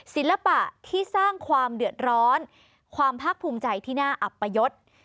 ศิลปะที่สร้างความเดือดร้อนความภาคภูมิใจที่น่าอัปยศ